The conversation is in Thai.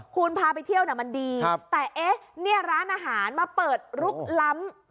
คุณพาไปเที่ยวมันดีแต่ร้านอาหารมาเปิดลุกล้ำ